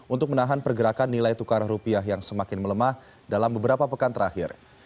untuk menahan pergerakan nilai tukar rupiah yang semakin melemah dalam beberapa pekan terakhir